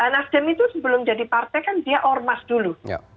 nasdem itu sebelum jadi partai kan dia ormas dulu